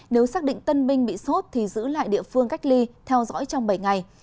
nếu xác định tân binh bị sốt thì giữ lại địa phương cách ly theo dõi trong bảy ngày